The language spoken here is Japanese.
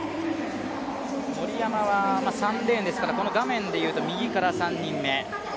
森山は３レーンですから、画面で言うと右から３番目。